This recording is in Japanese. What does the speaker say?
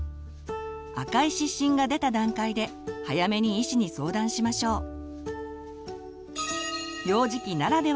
赤い湿疹が出た段階で早めに医師に相談しましょう。